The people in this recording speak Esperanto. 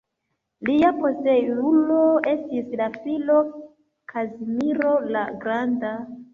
Lia posteulo estis la filo Kazimiro la Granda.